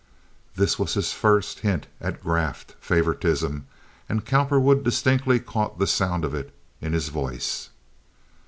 This was his first hint at graft, favoritism; and Cowperwood distinctly caught the sound of it in his voice.